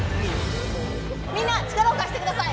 みんな力を貸して下さい。